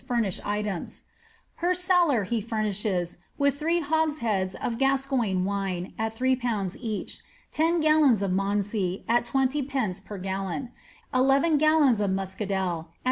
furnish items. Her cellar he furnishes with three hogsheads of Gascoigne wine, at 3/. each ; ten gal lons of Malmsey, at 20d. per gallon ; eleven gallons of muscadeU at 2